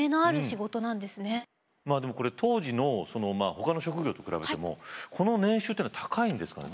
まあでもこれ当時のほかの職業と比べてもこの年収っていうのは高いんですかね。